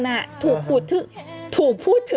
โอเคโอเคโอเค